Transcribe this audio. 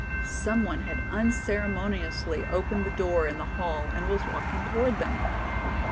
Some one had unceremoniously opened the door in the hall and was walking toward them.